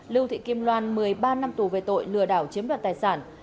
lưu thị kim loan một mươi ba năm tù về tội lừa đảo chiếm đoạt tài sản